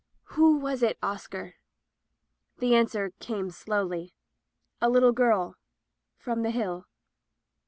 "Who was it, Oscar?" The answer came slowly — "A little girl— from the Hill."